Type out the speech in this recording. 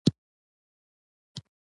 انتظار کوو چې کله به بیرته ځو.